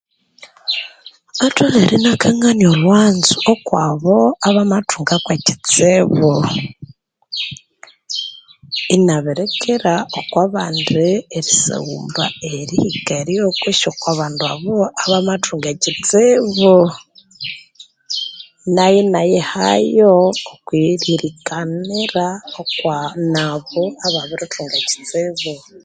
Ngathole ina kangania olhwanzo okwabu abamathunga kwe kyitsibu ina birikira okwa bandi erisaghumba erihika eryo kuse oko bandu abamathunga ekyitsibu nayi ina yihayo okwiririkanira okwa nabo aba birithunga ekyitsibu